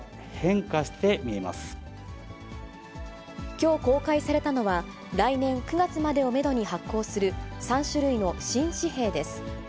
きょう公開されたのは、来年９月までをメドに発行する３種類の新紙幣です。